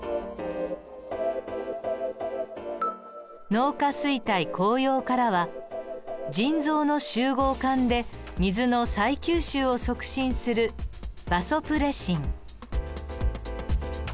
脳下垂体後葉からは腎臓の集合管で水の再吸収を促進するバソプレシン。